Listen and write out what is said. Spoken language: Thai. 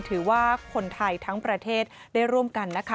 ถือว่าคนไทยทั้งประเทศได้ร่วมกันนะคะ